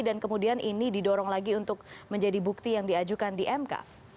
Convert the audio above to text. dan kemudian ini didorong lagi untuk menjadi bukti yang diajukan di mk